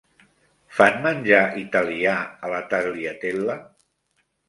Fan menjar italià a la Tagliatella?